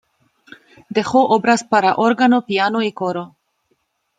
Dejó obras para órgano, piano y coro.